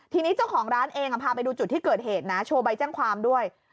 ทีนี้เจ้าของร้านเองพาไปดูจุดที่เกิดเหตุนะโชว์ใบแจ้งความด้วย